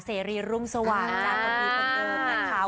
เซรียลุ้มสว่างจากตัวพี่คนเดิมนะคะ